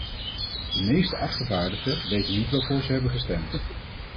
De meeste afgevaardigden weten niet waarvoor ze hebben gestemd.